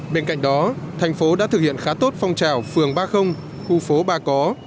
bên cạnh đó thành phố đã thực hiện khá tốt phong trào phường ba khu phố ba có